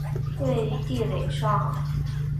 位于地垒上。